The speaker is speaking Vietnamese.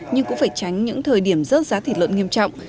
nhưng cũng phải tránh những thời điểm rớt giá thịt lợn nghiêm trọng